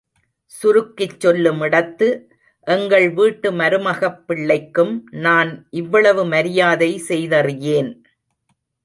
சுருக்கிச் சொல்லுமிடத்து, எங்கள் வீட்டு மருமகப்பிள்ளைக்கும் நான் இவ்வளவு மரியாதை செய்தறியேன்.